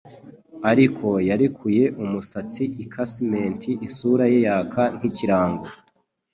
Ariko yarekuye umusatsi i 'casement! Isura ye yaka nk'ikirango